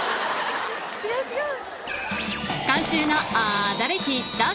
違う違う！